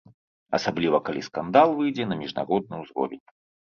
Асабліва калі скандал выйдзе на міжнародны ўзровень.